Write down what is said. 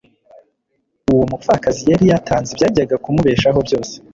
uwo mupfakazi yari yatanze ibyajyaga kumubeshaho byose.